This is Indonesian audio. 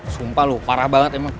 sumpah loh parah banget emang